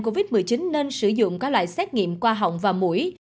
covid một mươi chín nên sử dụng các loại xét nghiệm qua họng và mũi